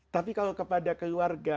tapi kalau kepada keluarga